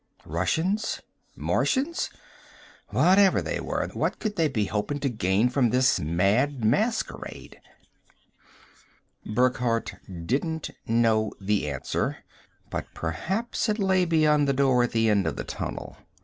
Russians? Martians? Whatever they were, what could they be hoping to gain from this mad masquerade? Burckhardt didn't know the answer but perhaps it lay beyond the door at the end of the tunnel.